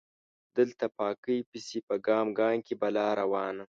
دلته پاکۍ پسې په ګام ګام کې بلا روانه